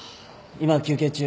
今休憩中。